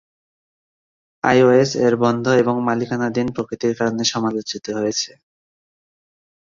IOS এর বন্ধ এবং মালিকানাধীন প্রকৃতির কারণে সমালোচিত হয়েছে।